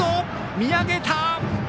見上げた！